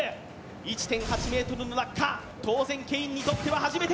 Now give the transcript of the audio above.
１．８ｍの落下、当然ケインにとっては初めて。